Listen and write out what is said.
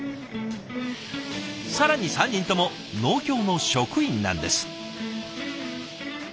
更に３人とも農協の職員なんです。